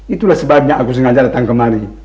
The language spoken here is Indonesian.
itulah sebabnya aku sengaja datang kembali